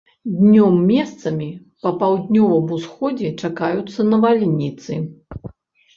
Днём месцамі па паўднёвым усходзе чакаюцца навальніцы.